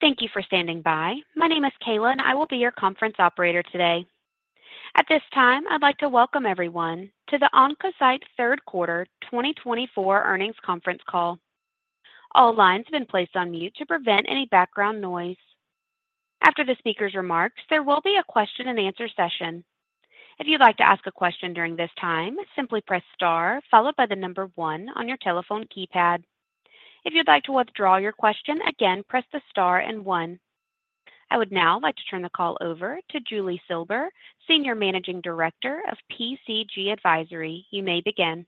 Thank you for standing by. My name is Kayla, and I will be your conference operator today. At this time, I'd like to welcome everyone to the Oncocyte third quarter 2024 earnings conference call. All lines have been placed on mute to prevent any background noise. After the speaker's remarks, there will be a question-and-answer session. If you'd like to ask a question during this time, simply press star, followed by the number one on your telephone keypad. If you'd like to withdraw your question, again, press the star and one. I would now like to turn the call over to Julie Silber, Senior Managing Director of PCG Advisory. You may begin.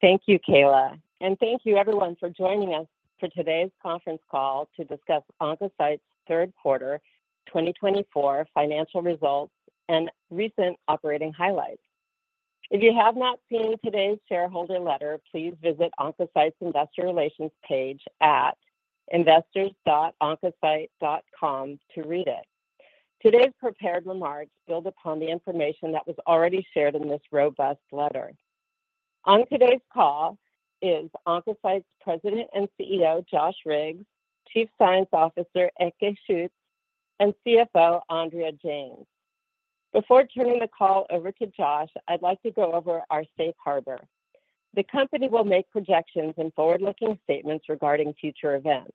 Thank you, Kayla, and thank you, everyone, for joining us for today's conference call to discuss Oncocyte's third quarter 2024 financial results and recent operating highlights. If you have not seen today's shareholder letter, please visit Oncocyte's investor relations page at investors.oncocyte.com to read it. Today's prepared remarks build upon the information that was already shared in this robust letter. On today's call is Oncocyte's President and CEO, Josh Riggs, Chief Science Officer, Ekke Schuetz, and CFO, Andrea James. Before turning the call over to Josh, I'd like to go over our safe harbor. The company will make projections and forward-looking statements regarding future events.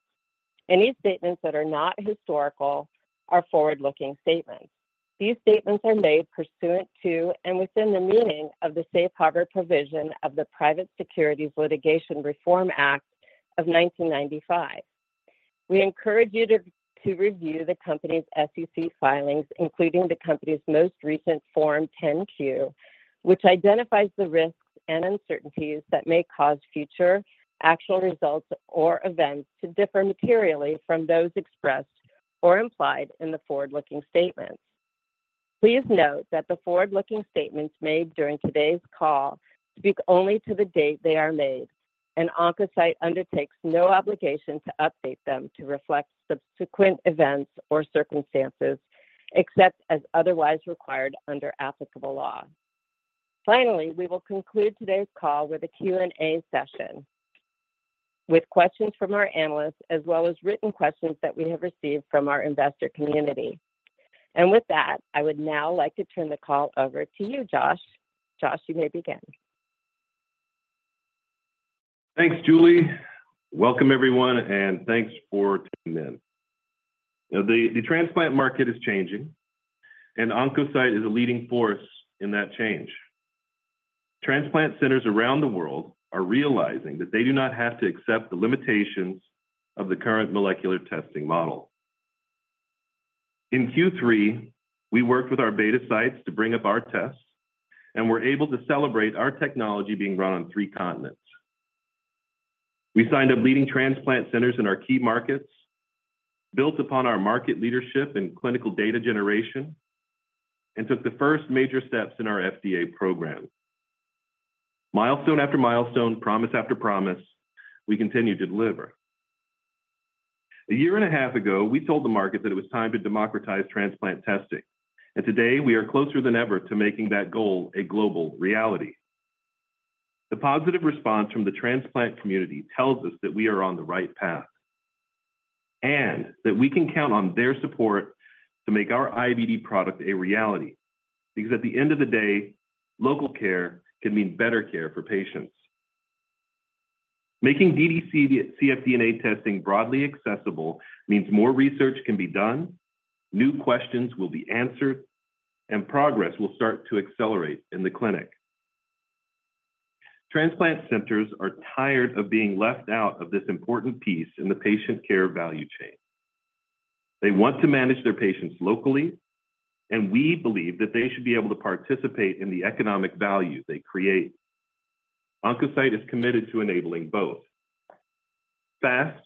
Any statements that are not historical are forward-looking statements. These statements are made pursuant to and within the meaning of the safe harbor provision of the Private Securities Litigation Reform Act of 1995. We encourage you to review the company's SEC filings, including the company's most recent Form 10-Q, which identifies the risks and uncertainties that may cause future actual results or events to differ materially from those expressed or implied in the forward-looking statements. Please note that the forward-looking statements made during today's call speak only to the date they are made, and Oncocyte undertakes no obligation to update them to reflect subsequent events or circumstances except as otherwise required under applicable law. Finally, we will conclude today's call with a Q&A session with questions from our analysts, as well as written questions that we have received from our investor community. And with that, I would now like to turn the call over to you, Josh. Josh, you may begin. Thanks, Julie. Welcome, everyone, and thanks for tuning in. The transplant market is changing, and Oncocyte is a leading force in that change. Transplant centers around the world are realizing that they do not have to accept the limitations of the current molecular testing model. In Q3, we worked with our beta sites to bring up our tests, and we're able to celebrate our technology being run on three continents. We signed up leading transplant centers in our key markets, built upon our market leadership and clinical data generation, and took the first major steps in our FDA program. Milestone after milestone, promise after promise, we continue to deliver. A year and a half ago, we told the market that it was time to democratize transplant testing, and today we are closer than ever to making that goal a global reality. The positive response from the transplant community tells us that we are on the right path and that we can count on their support to make our IVD product a reality because, at the end of the day, local care can mean better care for patients. Making dd-cfDNA testing broadly accessible means more research can be done, new questions will be answered, and progress will start to accelerate in the clinic. Transplant centers are tired of being left out of this important piece in the patient care value chain. They want to manage their patients locally, and we believe that they should be able to participate in the economic value they create. Oncocyte is committed to enabling both. Fast,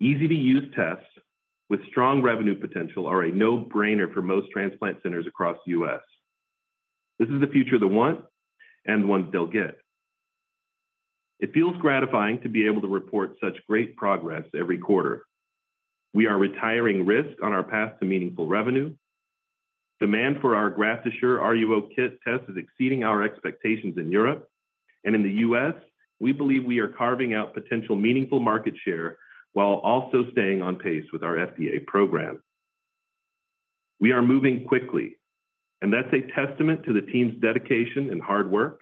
easy-to-use tests with strong revenue potential are a no-brainer for most transplant centers across the U.S. This is the future they want and the ones they'll get. It feels gratifying to be able to report such great progress every quarter. We are retiring risk on our path to meaningful revenue. Demand for our GraftAssure RUO kit test is exceeding our expectations in Europe. And in the U.S., we believe we are carving out potential meaningful market share while also staying on pace with our FDA program. We are moving quickly, and that's a testament to the team's dedication and hard work,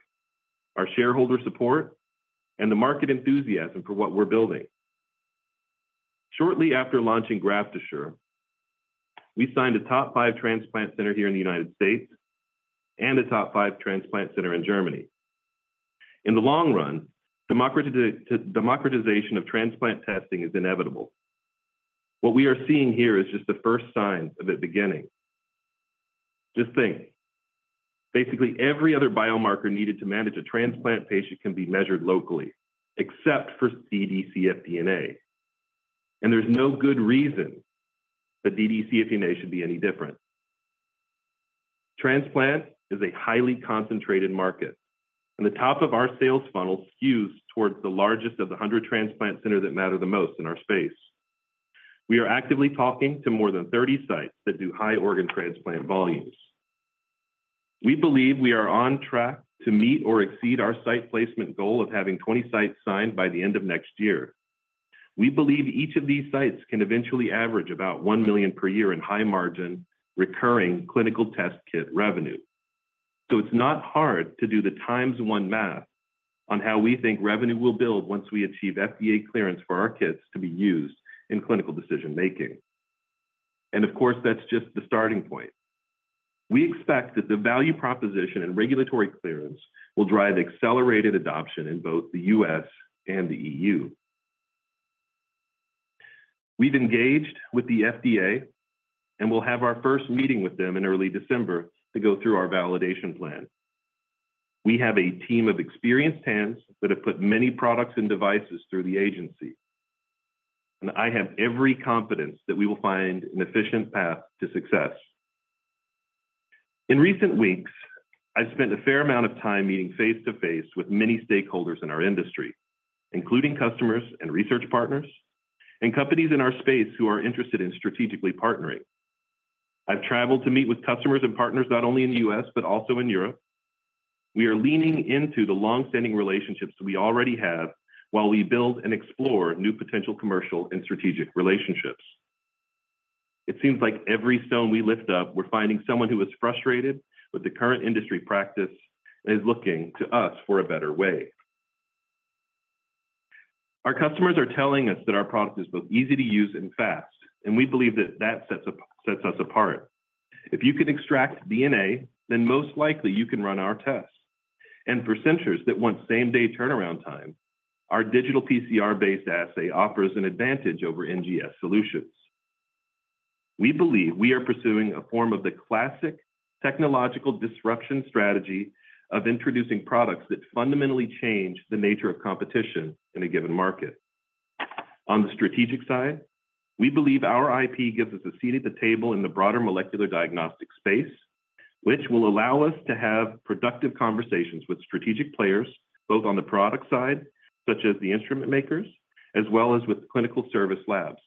our shareholder support, and the market enthusiasm for what we're building. Shortly after launching GraftAssure, we signed a top five transplant center here in the United States and a top five transplant center in Germany. In the long run, democratization of transplant testing is inevitable. What we are seeing here is just the first signs of it beginning. Just think, basically every other biomarker needed to manage a transplant patient can be measured locally, except for dd-cfDNA. And there's no good reason that dd-cfDNA should be any different. Transplant is a highly concentrated market, and the top of our sales funnel skews towards the largest of the 100 transplant centers that matter the most in our space. We are actively talking to more than 30 sites that do high organ transplant volumes. We believe we are on track to meet or exceed our site placement goal of having 20 sites signed by the end of next year. We believe each of these sites can eventually average about $1 million per year in high-margin recurring clinical test kit revenue. So it's not hard to do the times one math on how we think revenue will build once we achieve FDA clearance for our kits to be used in clinical decision-making. And of course, that's just the starting point. We expect that the value proposition and regulatory clearance will drive accelerated adoption in both the U.S. and the E.U. We've engaged with the FDA and will have our first meeting with them in early December to go through our validation plan. We have a team of experienced hands that have put many products and devices through the agency, and I have every confidence that we will find an efficient path to success. In recent weeks, I've spent a fair amount of time meeting face-to-face with many stakeholders in our industry, including customers and research partners and companies in our space who are interested in strategically partnering. I've traveled to meet with customers and partners not only in the U.S., but also in Europe. We are leaning into the long-standing relationships we already have while we build and explore new potential commercial and strategic relationships. It seems like every stone we lift up, we're finding someone who is frustrated with the current industry practice and is looking to us for a better way. Our customers are telling us that our product is both easy to use and fast, and we believe that that sets us apart. If you can extract DNA, then most likely you can run our tests, and for centers that want same-day turnaround time, our digital PCR-based assay offers an advantage over NGS solutions. We believe we are pursuing a form of the classic technological disruption strategy of introducing products that fundamentally change the nature of competition in a given market. On the strategic side, we believe our IP gives us a seat at the table in the broader molecular diagnostic space, which will allow us to have productive conversations with strategic players both on the product side, such as the instrument makers, as well as with clinical service labs.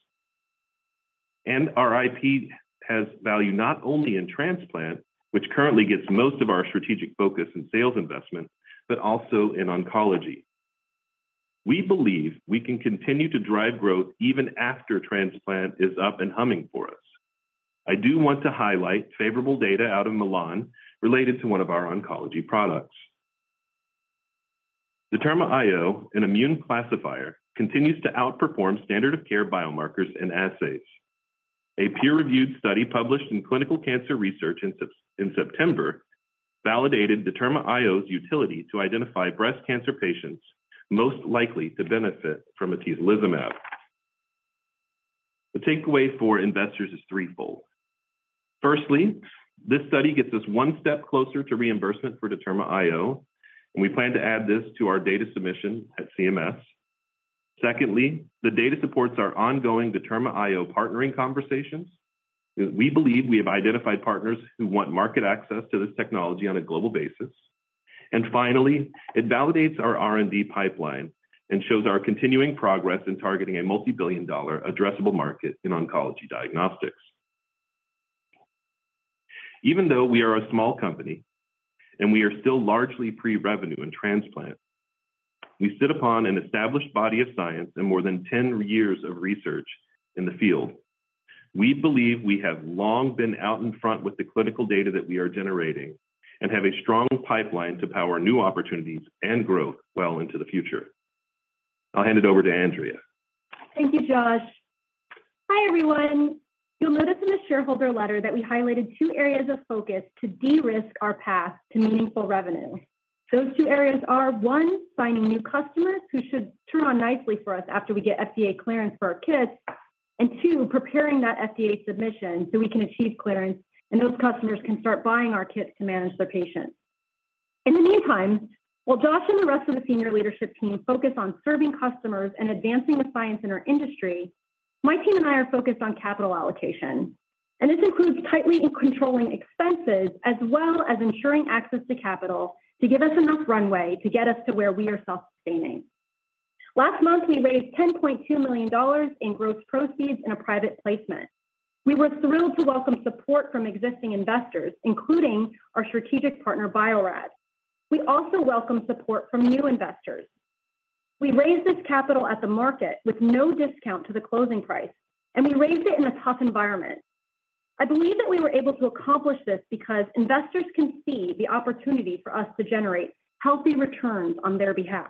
And our IP has value not only in transplant, which currently gets most of our strategic focus and sales investment, but also in oncology. We believe we can continue to drive growth even after transplant is up and humming for us. I do want to highlight favorable data out of Milan related to one of our oncology products. DetermaIO, an immune classifier, continues to outperform standard-of-care biomarkers and assays. A peer-reviewed study published in Clinical Cancer Research in September validated DetermaIO's utility to identify breast cancer patients most likely to benefit from atezolizumab. The takeaway for investors is threefold. Firstly, this study gets us one step closer to reimbursement for DetermaIO, and we plan to add this to our data submission at CMS. Secondly, the data supports our ongoing DetermaIO partnering conversations. We believe we have identified partners who want market access to this technology on a global basis. And finally, it validates our R&D pipeline and shows our continuing progress in targeting a multi-billion-dollar addressable market in oncology diagnostics. Even though we are a small company and we are still largely pre-revenue and transplant, we sit upon an established body of science and more than 10 years of research in the field. We believe we have long been out in front with the clinical data that we are generating and have a strong pipeline to power new opportunities and growth well into the future. I'll hand it over to Andrea. Thank you, Josh. Hi, everyone. You'll notice in the shareholder letter that we highlighted two areas of focus to de-risk our path to meaningful revenue. Those two areas are, one, finding new customers who should turn on nicely for us after we get FDA clearance for our kits, and two, preparing that FDA submission so we can achieve clearance and those customers can start buying our kits to manage their patients. In the meantime, while Josh and the rest of the senior leadership team focus on serving customers and advancing the science in our industry, my team and I are focused on capital allocation. And this includes tightly controlling expenses as well as ensuring access to capital to give us enough runway to get us to where we are self-sustaining. Last month, we raised $10.2 million in gross proceeds in a private placement. We were thrilled to welcome support from existing investors, including our strategic partner, Bio-Rad. We also welcome support from new investors. We raised this capital at the market with no discount to the closing price, and we raised it in a tough environment. I believe that we were able to accomplish this because investors can see the opportunity for us to generate healthy returns on their behalf.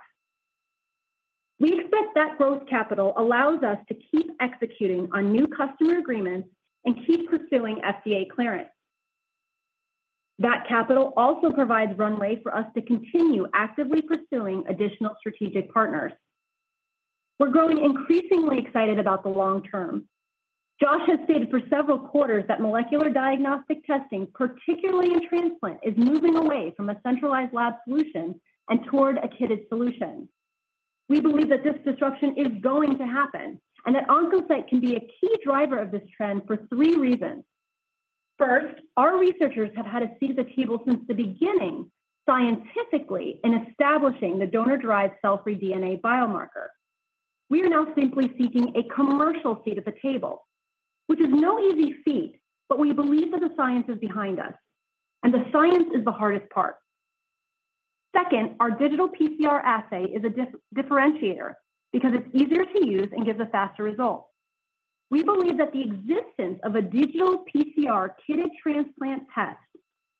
We expect that gross capital allows us to keep executing on new customer agreements and keep pursuing FDA clearance. That capital also provides runway for us to continue actively pursuing additional strategic partners. We're growing increasingly excited about the long term. Josh has stated for several quarters that molecular diagnostic testing, particularly in transplant, is moving away from a centralized lab solution and toward a kitted solution. We believe that this disruption is going to happen and that Oncocyte can be a key driver of this trend for three reasons. First, our researchers have had a seat at the table since the beginning scientifically in establishing the donor-derived cell-free DNA biomarker. We are now simply seeking a commercial seat at the table, which is no easy feat, but we believe that the science is behind us, and the science is the hardest part. Second, our digital PCR assay is a differentiator because it's easier to use and gives a faster result. We believe that the existence of a digital PCR kitted transplant test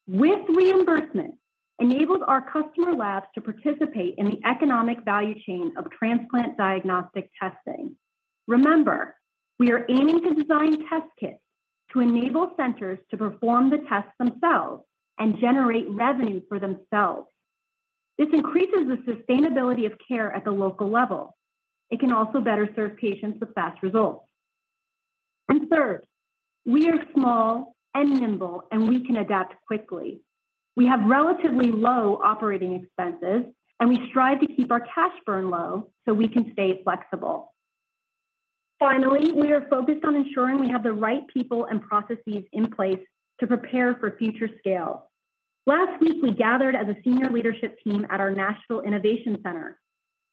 with reimbursement enables our customer labs to participate in the economic value chain of transplant diagnostic testing. Remember, we are aiming to design test kits to enable centers to perform the tests themselves and generate revenue for themselves. This increases the sustainability of care at the local level. It can also better serve patients with fast results, and third, we are small and nimble, and we can adapt quickly. We have relatively low operating expenses, and we strive to keep our cash burn low so we can stay flexible. Finally, we are focused on ensuring we have the right people and processes in place to prepare for future scale. Last week, we gathered as a senior leadership team at our Nashville Innovation Center.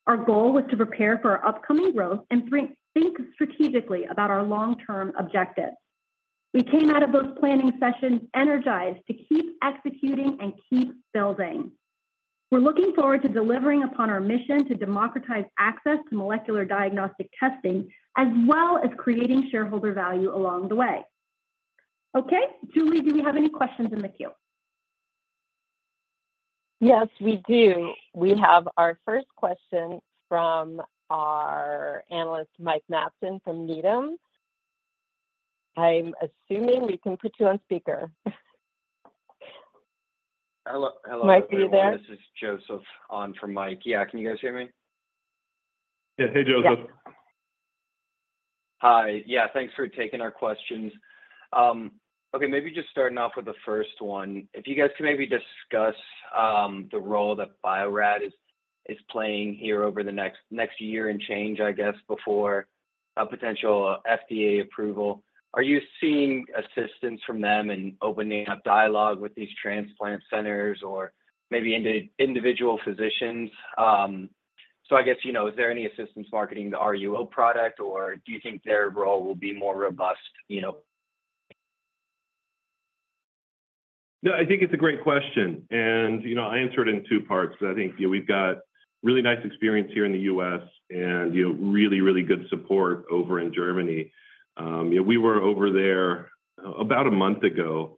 Our goal was to prepare for our upcoming growth and think strategically about our long-term objectives. We came out of those planning sessions energized to keep executing and keep building. We're looking forward to delivering upon our mission to democratize access to molecular diagnostic testing as well as creating shareholder value along the way. Okay, Julie, do we have any questions in the queue? Yes, we do. We have our first question from our analyst, Mike Matson from Needham. I'm assuming we can put you on speaker. Hello. Mike are you there? This is Joseph on for Mike. Yeah, can you guys hear me? Yeah. Hey, Joseph. Hi. Yeah, thanks for taking our questions. Okay, maybe just starting off with the first one. If you guys can maybe discuss the role that Bio-Rad is playing here over the next year and change, I guess, before a potential FDA approval, are you seeing assistance from them in opening up dialogue with these transplant centers or maybe individual physicians? So I guess, is there any assistance marketing the RUO product, or do you think their role will be more robust? No, I think it's a great question. And I answer it in two parts. I think we've got really nice experience here in the U.S. and really, really good support over in Germany. We were over there about a month ago,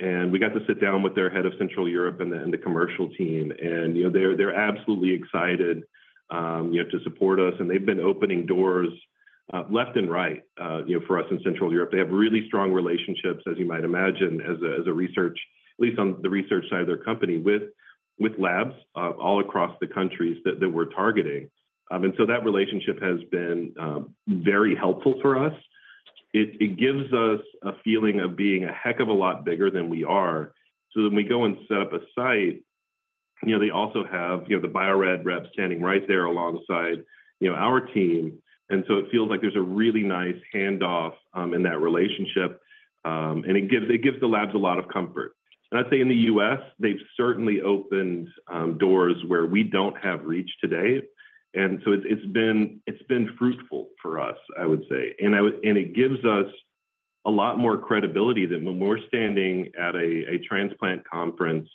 and we got to sit down with their head of Central Europe and the commercial team. And they're absolutely excited to support us. And they've been opening doors left and right for us in Central Europe. They have really strong relationships, as you might imagine, as a research, at least on the research side of their company, with labs all across the countries that we're targeting. And so that relationship has been very helpful for us. It gives us a feeling of being a heck of a lot bigger than we are. So when we go and set up a site, they also have the Bio-Rad rep standing right there alongside our team. And so it feels like there's a really nice handoff in that relationship, and it gives the labs a lot of comfort. And I'd say in the U.S., they've certainly opened doors where we don't have reach today. And so it's been fruitful for us, I would say. And it gives us a lot more credibility than when we're standing at a transplant conference.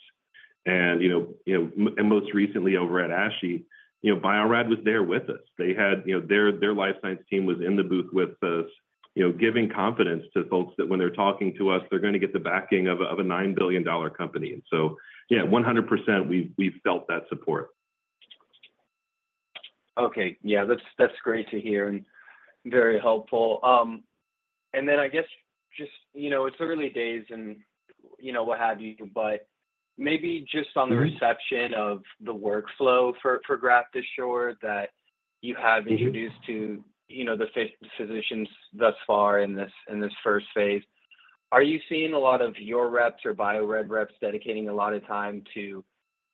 And most recently over at ASHI, Bio-Rad was there with us. Their life science team was in the booth with us, giving confidence to folks that when they're talking to us, they're going to get the backing of a $9 billion company. And so, yeah, 100%, we've felt that support. Okay. Yeah, that's great to hear and very helpful. And then I guess just it's early days and what have you, but maybe just on the reception of the workflow for GraftAssure that you have introduced to the physicians thus far in this first phase, are you seeing a lot of your reps or Bio-Rad reps dedicating a lot of time to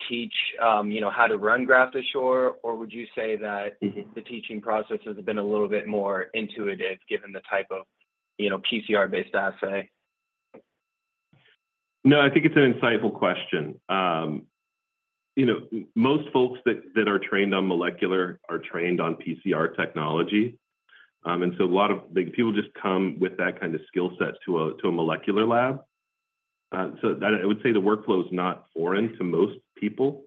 teach how to run GraftAssure, or would you say that the teaching process has been a little bit more intuitive given the type of PCR-based assay? No, I think it's an insightful question. Most folks that are trained on molecular are trained on PCR technology. And so a lot of people just come with that kind of skill set to a molecular lab. So I would say the workflow is not foreign to most people.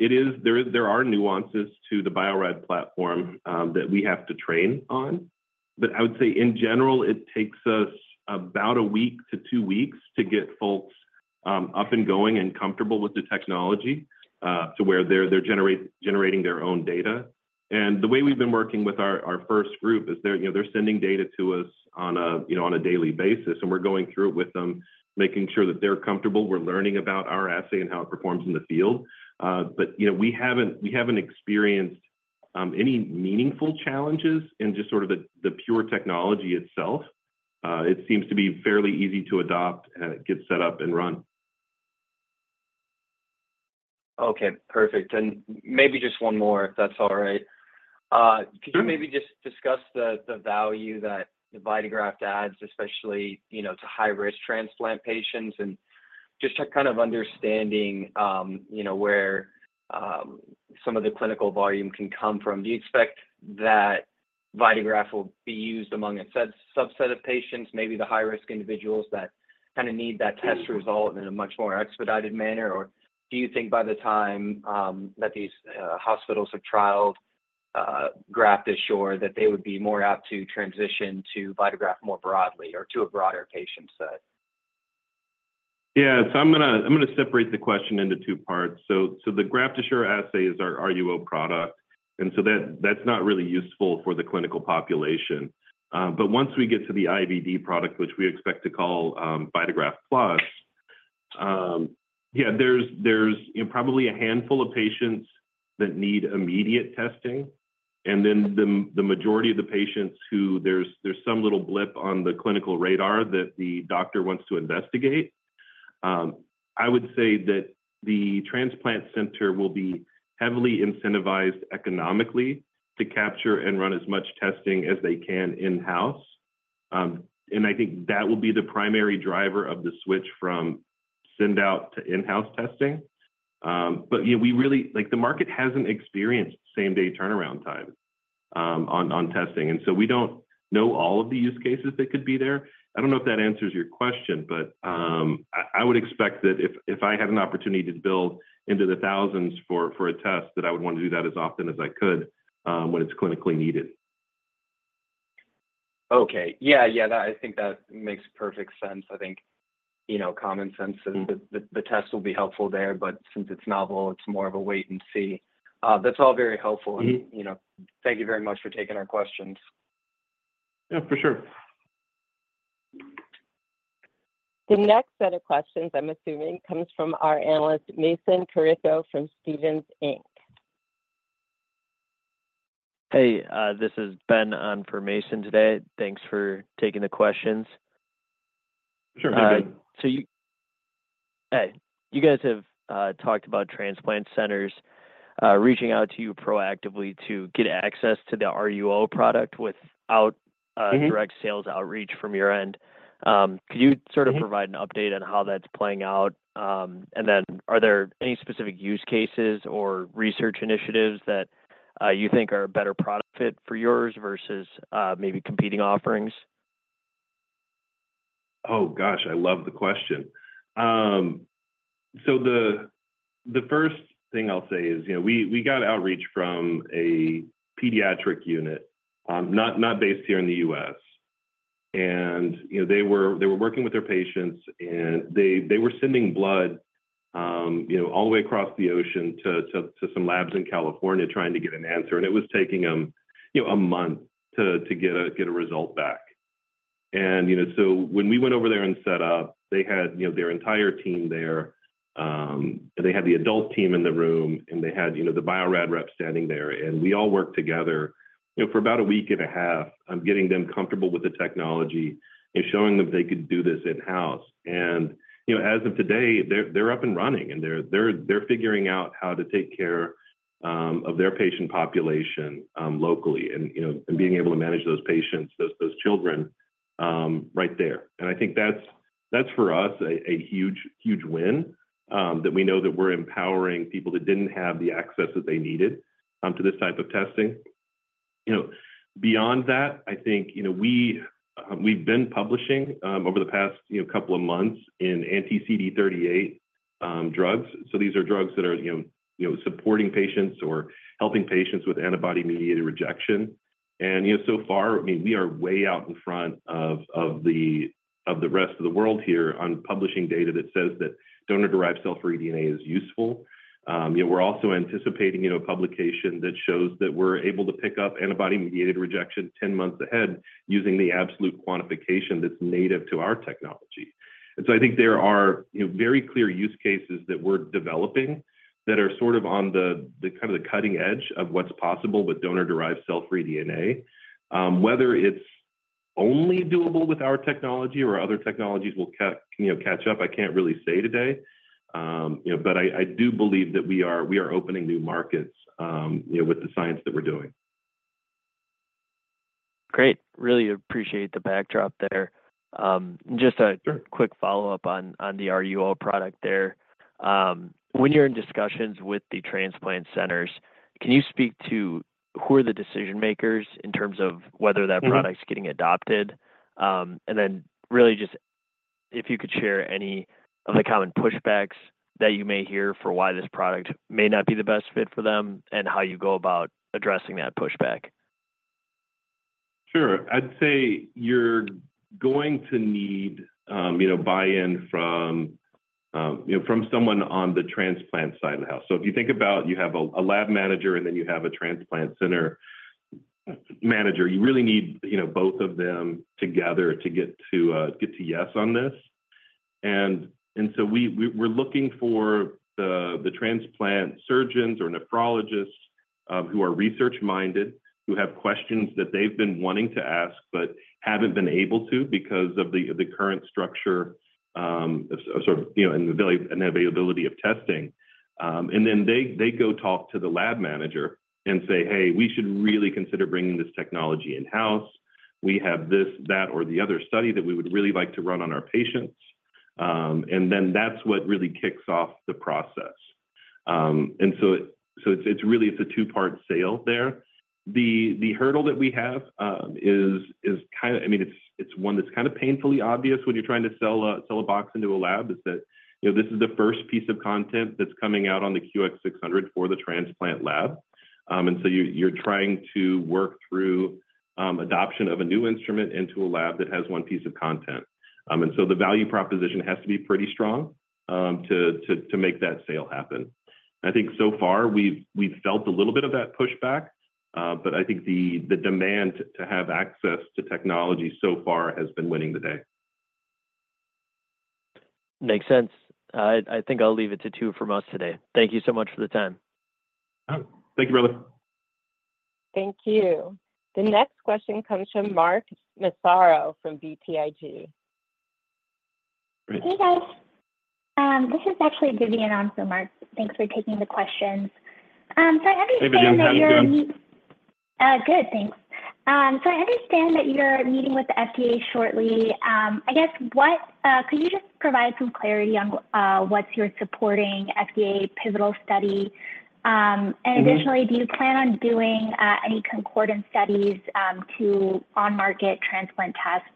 There are nuances to the Bio-Rad platform that we have to train on. But I would say in general, it takes us about a week to two weeks to get folks up and going and comfortable with the technology to where they're generating their own data. And the way we've been working with our first group is they're sending data to us on a daily basis, and we're going through it with them, making sure that they're comfortable. We're learning about our assay and how it performs in the field. But we haven't experienced any meaningful challenges in just sort of the pure technology itself. It seems to be fairly easy to adopt and get set up and run. Okay. Perfect. And maybe just one more, if that's all right. Could you maybe just discuss the value that VitaGraft adds, especially to high-risk transplant patients, and just kind of understanding where some of the clinical volume can come from? Do you expect that VitaGraft will be used among a subset of patients, maybe the high-risk individuals that kind of need that test result in a much more expedited manner, or do you think by the time that these hospitals have trialed GraftAssure, that they would be more apt to transition to VitaGraft more broadly or to a broader patient set? Yeah. So I'm going to separate the question into two parts. So the GraftAssure assay is our RUO product. And so that's not really useful for the clinical population. But once we get to the IVD product, which we expect to call VitaGraft Plus, yeah, there's probably a handful of patients that need immediate testing. And then the majority of the patients who there's some little blip on the clinical radar that the doctor wants to investigate. I would say that the transplant center will be heavily incentivized economically to capture and run as much testing as they can in-house. And I think that will be the primary driver of the switch from send-out to in-house testing. But the market hasn't experienced same-day turnaround time on testing. And so we don't know all of the use cases that could be there. I don't know if that answers your question, but I would expect that if I had an opportunity to build into the thousands for a test, that I would want to do that as often as I could when it's clinically needed. Okay. Yeah. Yeah, I think that makes perfect sense. I think common sense is the test will be helpful there, but since it's novel, it's more of a wait and see. That's all very helpful, and thank you very much for taking our questions. Yeah, for sure. The next set of questions, I'm assuming, comes from our analyst, Mason Carrico from Stephens Inc. Hey, this is Ben on for Mason today. Thanks for taking the questions. Sure. Hi Ben. So you guys have talked about transplant centers reaching out to you proactively to get access to the RUO product without direct sales outreach from your end. Could you sort of provide an update on how that's playing out? And then are there any specific use cases or research initiatives that you think are a better product fit for yours versus maybe competing offerings? Oh, gosh, I love the question. So the first thing I'll say is we got outreach from a pediatric unit, not based here in the U.S., and they were working with their patients, and they were sending blood all the way across the ocean to some labs in California trying to get an answer, and it was taking them a month to get a result back, and so when we went over there and set up, they had their entire team there, and they had the adult team in the room, and they had the Bio-Rad rep standing there, and we all worked together for about a week and a half on getting them comfortable with the technology and showing them they could do this in-house. As of today, they're up and running, and they're figuring out how to take care of their patient population locally and being able to manage those patients, those children right there. I think that's for us a huge win that we know that we're empowering people that didn't have the access that they needed to this type of testing. Beyond that, I think we've been publishing over the past couple of months in anti-CD38 drugs. So these are drugs that are supporting patients or helping patients with antibody-mediated rejection. And so far, I mean, we are way out in front of the rest of the world here on publishing data that says that donor-derived cell-free DNA is useful. We're also anticipating a publication that shows that we're able to pick up antibody-mediated rejection 10 months ahead using the absolute quantification that's native to our technology. And so I think there are very clear use cases that we're developing that are sort of on the kind of the cutting edge of what's possible with donor-derived cell-free DNA. Whether it's only doable with our technology or other technologies will catch up, I can't really say today. But I do believe that we are opening new markets with the science that we're doing. Great. Really appreciate the backdrop there. Just a quick follow-up on the RUO product there. When you're in discussions with the transplant centers, can you speak to who are the decision-makers in terms of whether that product's getting adopted? And then really just if you could share any of the common pushbacks that you may hear for why this product may not be the best fit for them and how you go about addressing that pushback? Sure. I'd say you're going to need buy-in from someone on the transplant side of the house. So if you think about you have a lab manager and then you have a transplant center manager, you really need both of them together to get to yes on this. And so we're looking for the transplant surgeons or nephrologists who are research-minded, who have questions that they've been wanting to ask but haven't been able to because of the current structure and availability of testing. And then they go talk to the lab manager and say, "Hey, we should really consider bringing this technology in-house. We have this, that, or the other study that we would really like to run on our patients." And then that's what really kicks off the process. And so it's really a two-part sale there. The hurdle that we have is kind of, I mean, it's one that's kind of painfully obvious when you're trying to sell a box into a lab is that this is the first piece of content that's coming out on the QX600 for the transplant lab, and so you're trying to work through adoption of a new instrument into a lab that has one piece of content, and so the value proposition has to be pretty strong to make that sale happen. I think so far we've felt a little bit of that pushback, but I think the demand to have access to technology so far has been winning the day. Makes sense. I think I'll leave it to two from us today. Thank you so much for the time. Thank you, brother. Thank you. The next question comes from Mark Massaro from BTIG. Great. Hey, guys. This is actually Vivian on for Mark. Thanks for taking the questions. So I understand. Hey, Vivian. How are you doing? Good. Thanks. So I understand that you're meeting with the FDA shortly. I guess could you just provide some clarity on what's your supporting FDA pivotal study? And additionally, do you plan on doing any concordant studies to on-market transplant tests?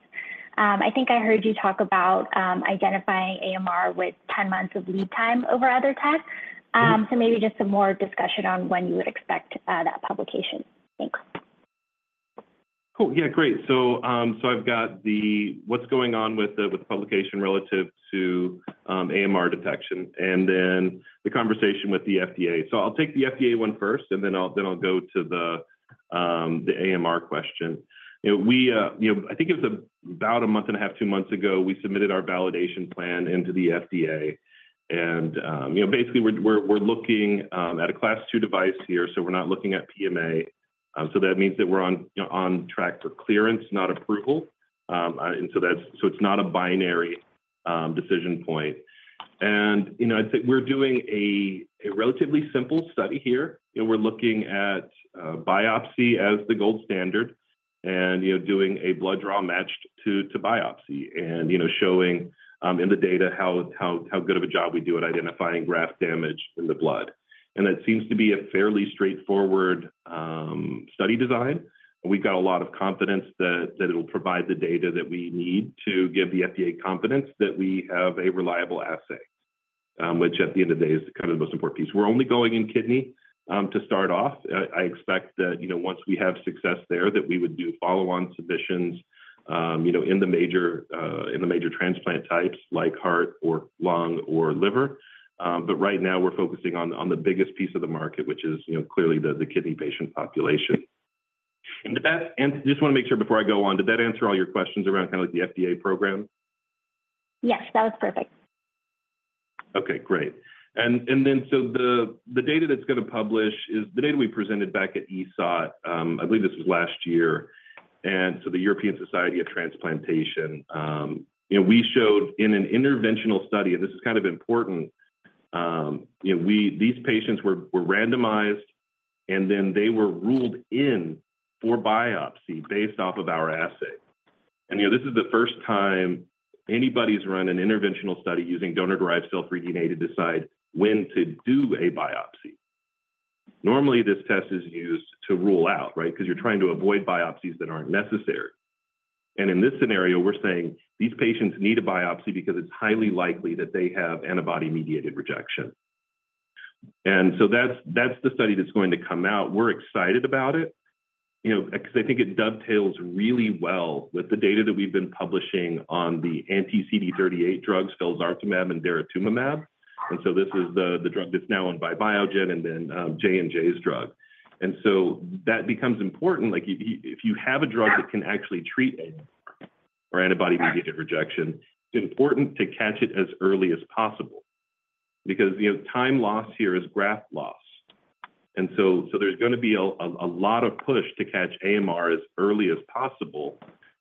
I think I heard you talk about identifying AMR with 10 months of lead time over other tests. So maybe just some more discussion on when you would expect that publication. Thanks. Cool. Yeah, great. So I've got what's going on with the publication relative to AMR detection and then the conversation with the FDA. So I'll take the FDA one first, and then I'll go to the AMR question. I think it was about a month and a half, two months ago, we submitted our validation plan into the FDA. And basically, we're looking at a class two device here, so we're not looking at PMA. So that means that we're on track for clearance, not approval. And so it's not a binary decision point. And I'd say we're doing a relatively simple study here. We're looking at biopsy as the gold standard and doing a blood draw matched to biopsy and showing in the data how good of a job we do at identifying graft damage in the blood. And that seems to be a fairly straightforward study design. We've got a lot of confidence that it'll provide the data that we need to give the FDA confidence that we have a reliable assay, which at the end of the day is kind of the most important piece. We're only going in kidney to start off. I expect that once we have success there, that we would do follow-on submissions in the major transplant types like heart or lung or liver. But right now, we're focusing on the biggest piece of the market, which is clearly the kidney patient population. And I just want to make sure before I go on, did that answer all your questions around kind of the FDA program? Yes, that was perfect. Okay. Great, and then so the data that's going to publish is the data we presented back at ESOT. I believe this was last year. And so, at the European Society of Transplantation, we showed in an interventional study, and this is kind of important. These patients were randomized, and then they were ruled in for biopsy based off of our assay. And this is the first time anybody's run an interventional study using donor-derived cell-free DNA to decide when to do a biopsy. Normally, this test is used to rule out, right, because you're trying to avoid biopsies that aren't necessary. And in this scenario, we're saying these patients need a biopsy because it's highly likely that they have antibody-mediated rejection. And so that's the study that's going to come out. We're excited about it because I think it dovetails really well with the data that we've been publishing on the anti-CD38 drugs, felzartumab and daratumumab, and so this is the drug that's now owned by Biogen and then J&J's drug. And so that becomes important. If you have a drug that can actually treat antibody-mediated rejection, it's important to catch it as early as possible because time lost here is graft loss, and so there's going to be a lot of push to catch AMR as early as possible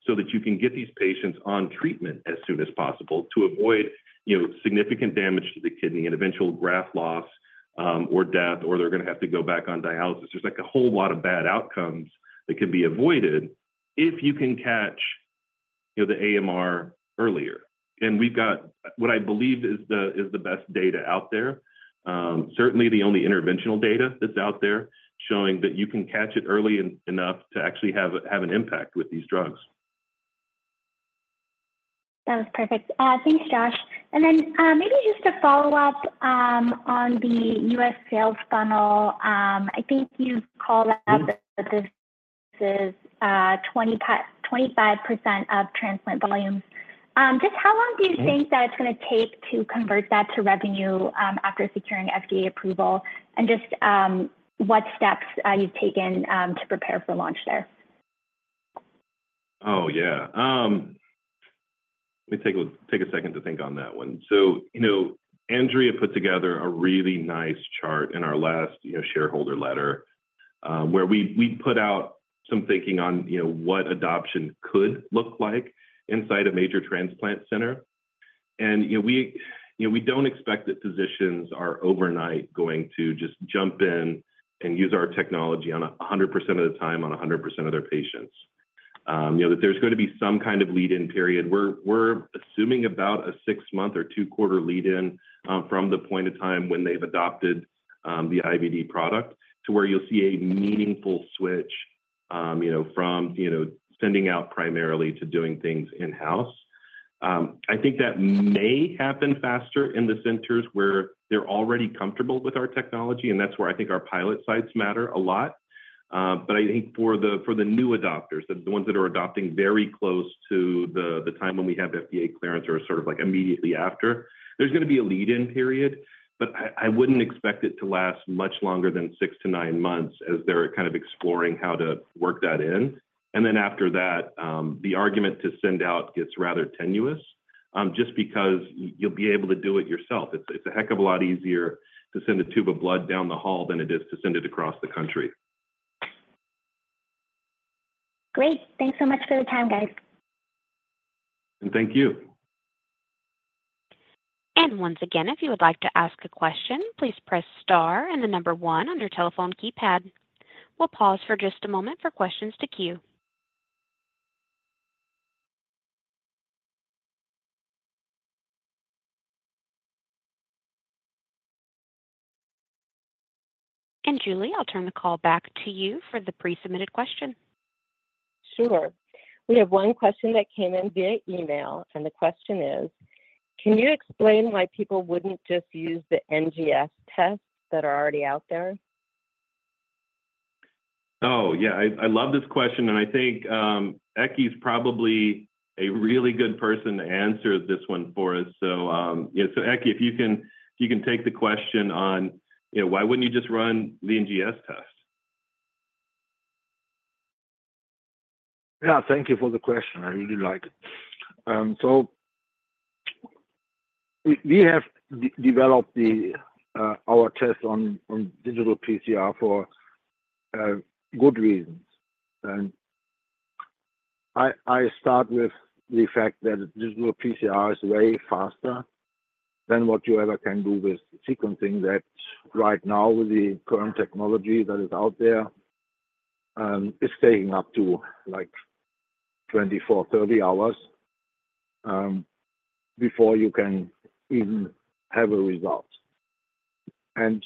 so that you can get these patients on treatment as soon as possible to avoid significant damage to the kidney and eventual graft loss or death, or they're going to have to go back on dialysis. There's a whole lot of bad outcomes that can be avoided if you can catch the AMR earlier. We've got what I believe is the best data out there, certainly the only interventional data that's out there showing that you can catch it early enough to actually have an impact with these drugs. That was perfect. Thanks, Josh. And then maybe just to follow up on the U.S. sales funnel, I think you've called out that this is 25% of transplant volumes. Just how long do you think that it's going to take to convert that to revenue after securing FDA approval? And just what steps you've taken to prepare for launch there? Oh, yeah. Let me take a second to think on that one, so Andrea put together a really nice chart in our last shareholder letter where we put out some thinking on what adoption could look like inside a major transplant center, and we don't expect that physicians are overnight going to just jump in and use our technology 100% of the time on 100% of their patients. There's going to be some kind of lead-in period. We're assuming about a six-month or two-quarter lead-in from the point of time when they've adopted the IVD product to where you'll see a meaningful switch from sending out primarily to doing things in-house. I think that may happen faster in the centers where they're already comfortable with our technology, and that's where I think our pilot sites matter a lot. But I think for the new adopters, the ones that are adopting very close to the time when we have FDA clearance or sort of immediately after, there's going to be a lead-in period. But I wouldn't expect it to last much longer than six to nine months as they're kind of exploring how to work that in. And then after that, the argument to send out gets rather tenuous just because you'll be able to do it yourself. It's a heck of a lot easier to send a tube of blood down the hall than it is to send it across the country. Great. Thanks so much for the time, guys. Thank you. And once again, if you would like to ask a question, please press star and the number one on your telephone keypad. We'll pause for just a moment for questions to queue. And Julie, I'll turn the call back to you for the pre-submitted question. Sure. We have one question that came in via email, and the question is, "Can you explain why people wouldn't just use the NGS tests that are already out there? Oh, yeah. I love this question, and I think Ekke's probably a really good person to answer this one for us. So Ekke, if you can take the question on why wouldn't you just run the NGS test? Yeah. Thank you for the question. I really like it so we have developed our test on digital PCR for good reasons and I start with the fact that digital PCR is way faster than what you ever can do with sequencing. That right now with the current technology that is out there, it's taking up to 24-30 hours before you can even have a result and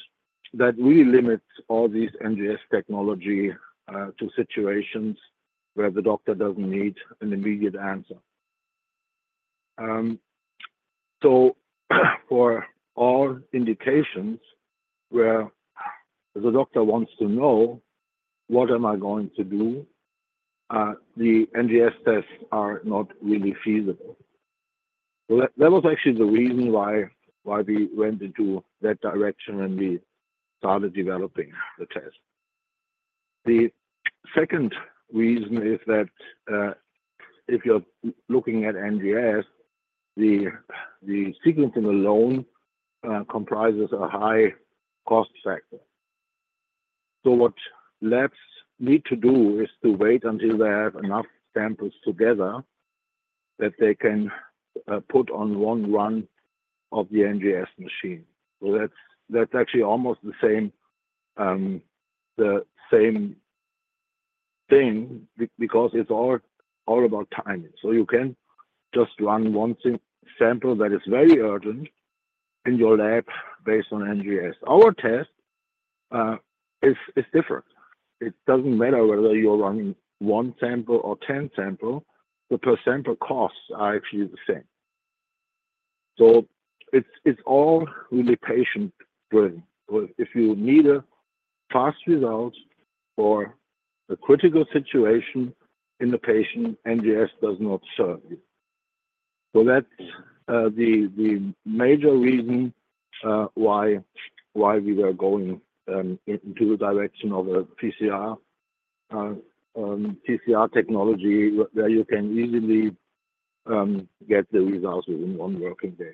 that really limits all these NGS technology to situations where the doctor doesn't need an immediate answer so for all indications where the doctor wants to know, "What am I going to do?" the NGS tests are not really feasible. That was actually the reason why we went into that direction and we started developing the test. The second reason is that if you're looking at NGS, the sequencing alone comprises a high cost factor. So what labs need to do is to wait until they have enough samples together that they can put on one run of the NGS machine. So that's actually almost the same thing because it's all about timing. So you can't just run one sample that is very urgent in your lab based on NGS. Our test is different. It doesn't matter whether you're running one sample or 10 samples. The per sample costs are actually the same. So it's all really patient-driven. If you need a fast result for a critical situation in the patient, NGS does not serve you. So that's the major reason why we were going into the direction of a PCR technology where you can easily get the results within one working day.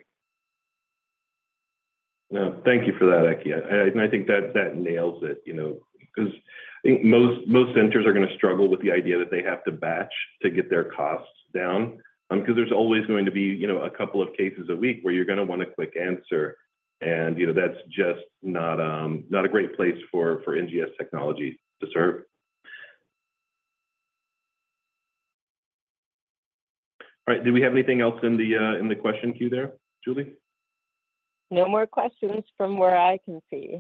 Yeah. Thank you for that, Ekke. And I think that nails it because I think most centers are going to struggle with the idea that they have to batch to get their costs down because there's always going to be a couple of cases a week where you're going to want a quick answer. And that's just not a great place for NGS technology to serve. All right. Did we have anything else in the question queue there, Julie? No more questions from where I can see.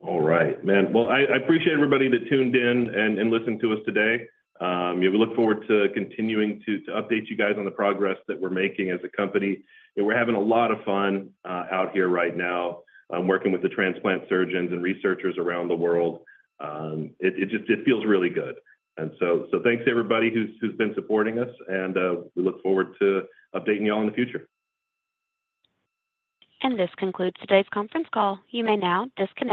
All right, man. Well, I appreciate everybody that tuned in and listened to us today. We look forward to continuing to update you guys on the progress that we're making as a company. We're having a lot of fun out here right now working with the transplant surgeons and researchers around the world. It feels really good, and so thanks to everybody who's been supporting us, and we look forward to updating y'all in the future. This concludes today's conference call. You may now disconnect.